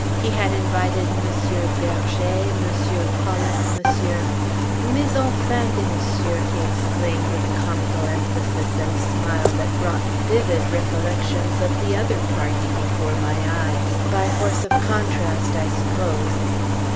He had invited Monsieur Berger, Monsieur Pollock, Monsieur Mais enfin des Messieurs! he exclaimed with a comical emphasis and smile that brought vivid recollections of the other party before my eyes, by force of contrast, I suppose.